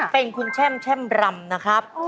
เป็นคุณแช่มรำนะครับ